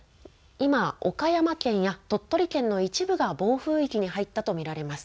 今、岡山県や鳥取県の一部が暴風域に入ったと見られます。